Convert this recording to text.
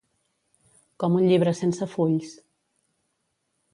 Com un llibre sense fulls.